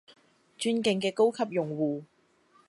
尊敬嘅高級用戶